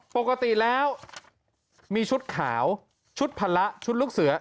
ปกติแล้วมีชุดขาวชุดพละชุดลูกเสือ